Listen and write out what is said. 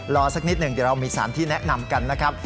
สักนิดหนึ่งเดี๋ยวเรามีสารที่แนะนำกันนะครับ